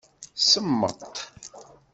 Semmeṭ.